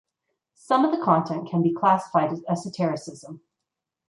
Some of the content can be classified as esotericism.